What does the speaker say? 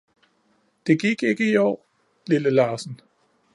Det gik ikke i år, lille larsen